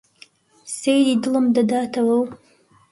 سەیدی دڵم دەداتەوە و